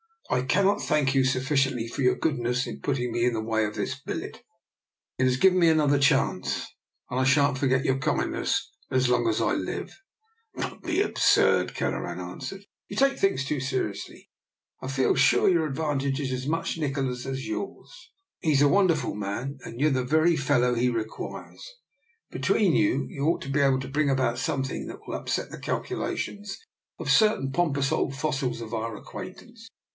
" I cannot thank you sufficiently for your goodness in putting me in the way of this billet. It has given me another chance, and I shan't forget your kindness as long as I live." Don't be absurd," Kelleran answered. You take things too seriously. I feel sure the advantage is as much Nikola's as yours. He's a wonderful man, and you're the very fellow he requires: between you, you ought to be able to bring about something that will upset the calculations of certain pompous old fossils of our acquaintance.